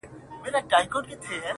نقدوي او حللاره يې